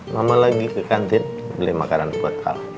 mama lagi ke kantin beliin makanan buat al